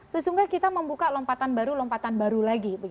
sesungguhnya kita membuka lompatan baru lompatan baru lagi